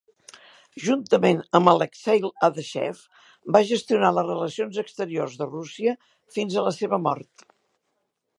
Juntament amb Alexei Adashev, va gestionar les relacions exteriors de Rússia fins a la seva mort.